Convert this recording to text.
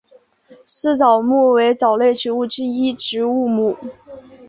丝藻目为藻类植物之一植物目。